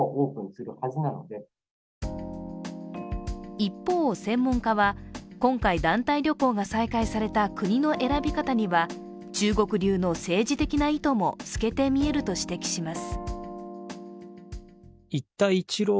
一方、専門家は今回団体旅行が再開された国の選び方には中国流の政治的な意図も透けて見えると指摘します。